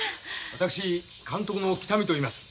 私監督の北見といいます。